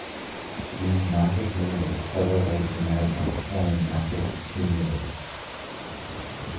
These mafic minerals settle out of the magma, forming mafic cumulates.